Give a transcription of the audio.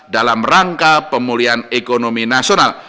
dalam rangka pemulihan ekonomi nasional